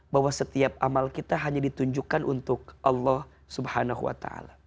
bahwa setiap amal kita hanya ditunjukkan untuk allah swt